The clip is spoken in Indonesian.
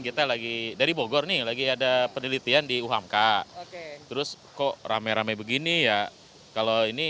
kita lagi dari bogor nih lagi ada penelitian di uhamka terus kok rame rame begini ya kalau ini